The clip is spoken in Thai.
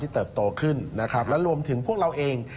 เติบโตขึ้นนะครับและรวมถึงพวกเราเอง